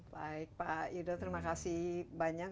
baik pak yudo terima kasih banyak